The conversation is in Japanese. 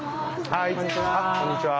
こんにちは。